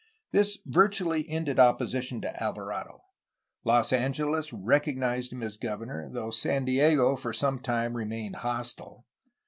This virtually ended oppo sition to Alvarado. Los Angeles recognized him as governor, though San Diego for some time remained hostile.